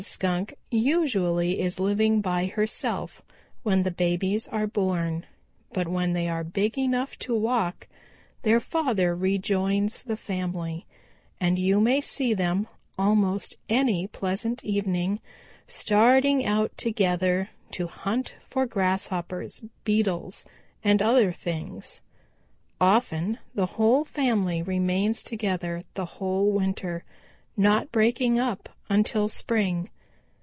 Skunk usually is living by herself when the babies are born, but when they are big enough to walk their father rejoins the family, and you may see them almost any pleasant evening starting out together to hunt for Grasshoppers, Beetles and other things. Often the whole family remains together the whole winter, not breaking up until spring.